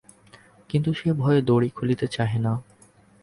কিন্তু সে ভয়ে দড়ি খুলিতে চাহে না।